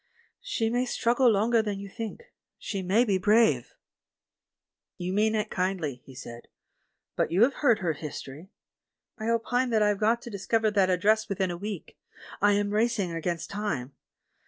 "She may struggle longer than you think; she may be brave." "You mean it kindly," he said, "but you have heard her history! I opine that I've got to dis cover that address within a week — I am racing against time.